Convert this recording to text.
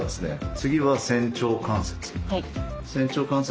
次は仙腸関節。